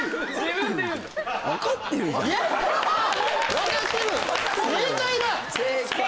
分かってる？